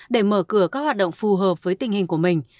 để mở cửa các hoạt động phù hợp với tình hình của mình